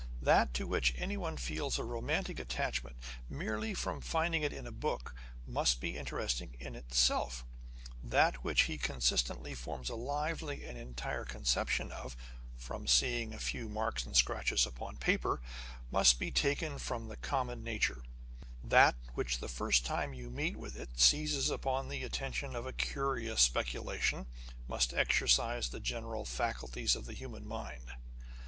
That to which anyone feels a romantic^ attachment, merely from finding it in a book, must be On the Conversation of Authors. 31 interesting in itself : that which he constantly forms a lively and entire conception of, from seeing a few marks and scratches upon paper, must be taken from common nature : that which, the first time you meet with it, seizes upon the attention as a curious speculation, must exercise the general faculties of the human mind.